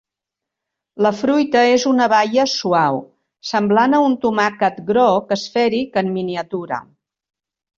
La fruita és una baia suau, semblant a un tomàquet groc esfèric en miniatura.